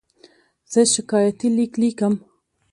زه شکایتي لیک لیکم.